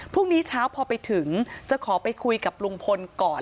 พรุ่งนี้เช้าพอไปถึงจะขอไปคุยกับลุงพลก่อน